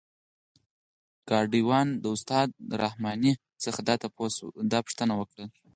ګاډی وان د استاد رحماني څخه دا تپوس وکړلو.